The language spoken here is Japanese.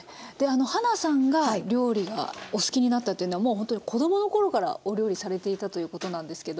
はなさんが料理がお好きになったっていうのはもうほんとに子供の頃からお料理されていたということなんですけど。